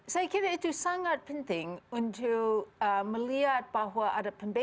saya kira itu sangat penting untuk melihat bahwa ada pembelajar